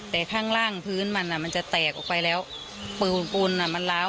แต่ข้างล่างพื้นมันอ่ะมันจะแตกออกไปแล้วปืนปูนอ่ะมันล้าว